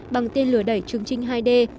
bằng tên lửa đẩy chương trình hai d